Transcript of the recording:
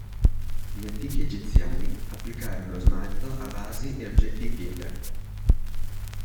Gli antichi egiziani applicarono lo smalto a vasi e oggetti in pietra.